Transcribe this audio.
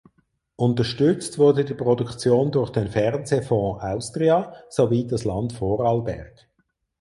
Unterstützt wurde die Produktion durch den "Fernsehfonds Austria" sowie das Land Vorarlberg.